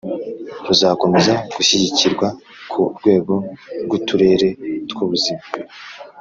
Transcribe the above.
ruzakomeza gushyigikirwa ku rwego rw'uturere tw'ubuzima.